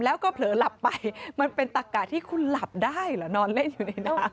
แล้วก็เผลอหลับไปมันเป็นตักกะที่คุณหลับได้เหรอนอนเล่นอยู่ในน้ำ